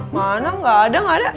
mana gak ada gak ada